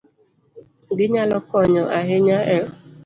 Ginyalo konyo ahinya e